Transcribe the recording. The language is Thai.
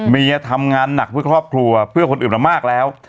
เมียทำงานหนักเพื่อครอบครัวเพื่อคนอื่นมามากแล้ว